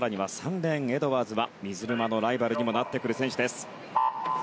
３レーンのエドワーズは水沼のライバルにもなってくる選手です。